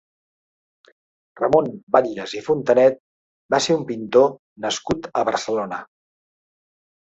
Ramon Batlles i Fontanet va ser un pintor nascut a Barcelona.